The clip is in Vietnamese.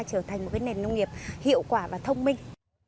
trở thành một cái nền nông nghiệp hiệu quả và thông minh